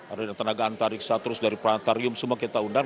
ada tenaga antariksa terus dari plantarum semua kita undang